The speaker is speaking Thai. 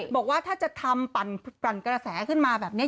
บอกว่าถ้าจะทำปั่นกระแสขึ้นมาแบบนี้